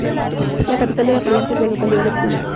La capital de la provincia es la localidad de Puna.